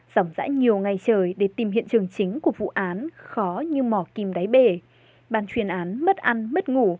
có lẽ là do bị cáo rất giận con riêng